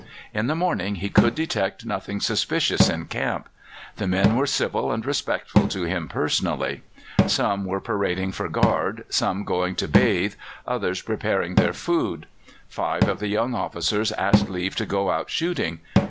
In the morning he could detect nothing suspicious in camp. The men were civil and respectful to him personally. Some were parading for guard, some going to bathe, others preparing their food. Five of the young officers asked leave to go out shooting.